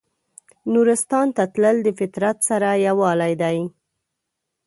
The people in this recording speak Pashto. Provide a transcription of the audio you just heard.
نورستان ته تلل د فطرت سره یووالی دی.